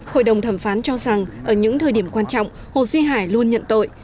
hội đồng thẩm phán cho rằng ở những thời điểm quan trọng hồ duy hải luôn nhận tội